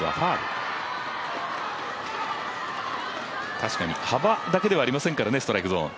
確かに幅だけではありませんからねストライクゾーン。